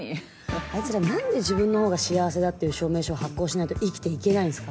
あいつら何で自分のほうが幸せだっていう証明書を発行しないと生きて行けないんすか？